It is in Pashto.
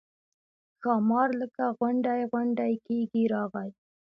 ښامار لکه غونډی غونډی کېږي راغی.